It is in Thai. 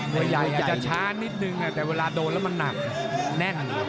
วยใหญ่อาจจะช้านิดนึงแต่เวลาโดนแล้วมันหนักแน่น